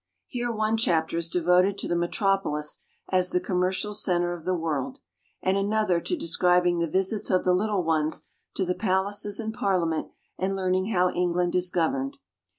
Here one chapter is devoted to the metropolis as the commercial center of the world, and another to describing the visits of the little ones to the palaces and parliament and learning how England is governed.